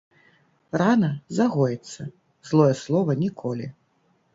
Рана загоіцца, злое слова ‒ ніколі